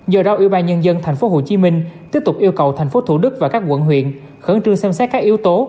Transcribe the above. do đó ubnd tp hcm tiếp tục yêu cầu tp thủ đức và các quận huyện khẩn trương xem xét các yếu tố